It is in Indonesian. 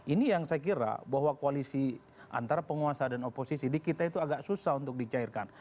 ini yang saya kira bahwa koalisi antara penguasa dan oposisi di kita itu agak susah untuk dicairkan